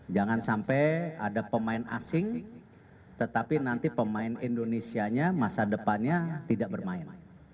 jangan sampai ada pemain asing tetapi nanti pemain indonesia nya masa depannya tidak bermain main